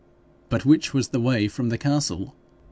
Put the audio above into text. But which was the way from the castle?